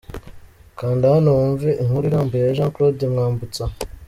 Kanda hano wumve inkuru irambuye ya Jean Claude Mwambutsa.